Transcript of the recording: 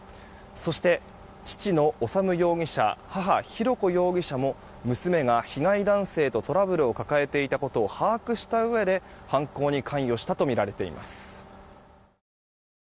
そして、父の修容疑者母・浩子容疑者も娘が被害男性とトラブルを抱えていたことを把握したうえで、犯行に関与したとみられています。